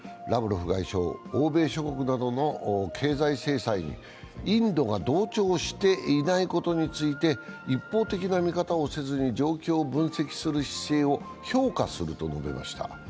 ラブロフ外相、欧米諸国などの経済制裁にインドが同調していないことについて一方的な見方をせずに、状況を分析する姿勢を評価すると述べました。